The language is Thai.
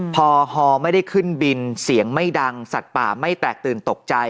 พอฮอไม่ได้ขึ้นบินเสียงไม่ดังสัตว์ป่าไม่แตกตื่นตกใจ